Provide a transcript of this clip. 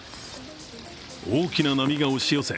大きな波が押し寄せ